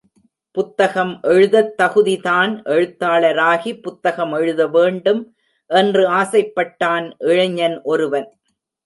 புத்தகம் எழுதத் தகுதி தான் எழுத்தாளராகி, புத்தகம் எழுத வேண்டும் என்று ஆசைப்பட்டான் இளைஞன் ஒருவன்.